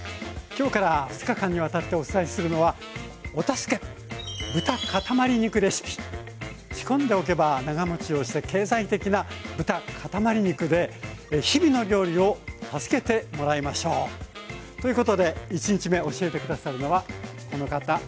今日から２日間にわたってお伝えするのは仕込んでおけば長もちをして経済的な豚かたまり肉で日々の料理を助けてもらいましょう。ということで１日目教えて下さるのはこの方栗原心平さんです。